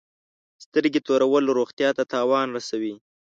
سترګي تورول روغتیا ته تاوان رسوي.